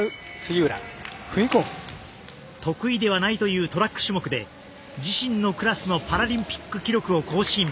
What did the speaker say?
得意ではないというトラック種目で自身のクラスのパラリンピック記録を更新。